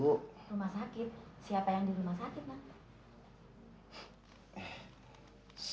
rumah sakit siapa yang di rumah sakit bang